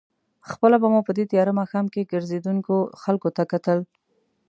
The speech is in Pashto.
خپله به مو په دې تېاره ماښام کې ګرځېدونکو خلکو ته کتل.